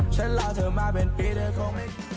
ฉันเล่าเธอมาเป็นปีเทอร์โคมิค